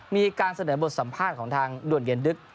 มีการเสนอบทสัมภาษณ์ของทางด่วนเย็นดึก